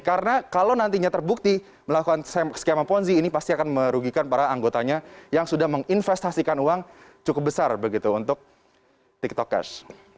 karena kalau nantinya terbukti melakukan skema ponzi ini pasti akan merugikan para anggotanya yang sudah menginvestasikan uang cukup besar begitu untuk tiktok cash